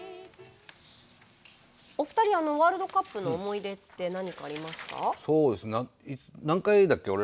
お二人、あのワールドカップの思い出って何かありますか？